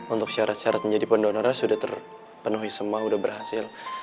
untuk syarat syarat menjadi pendonornya sudah terpenuhi semua sudah berhasil